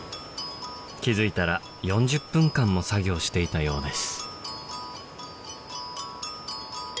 気付いたら４０分間も作業していたようです